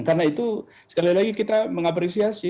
karena itu sekali lagi kita mengapresiasi